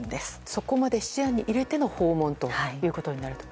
そこまで視野に入れての訪問となると。